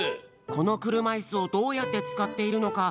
このくるまいすをどうやってつかっているのか